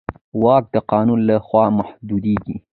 واک د قانون له خوا محدودېږي.